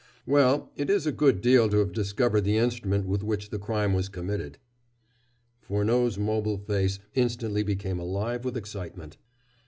"Well, it is a good deal to have discovered the instrument with which the crime was committed." Furneaux's mobile face instantly became alive with excitement.